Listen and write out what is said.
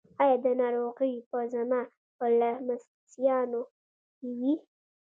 ایا دا ناروغي به زما په لمسیانو کې وي؟